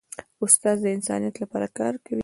استاد د انسانیت لپاره کار کوي.